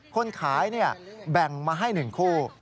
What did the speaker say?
คนขายแบ่งมาให้๑คู่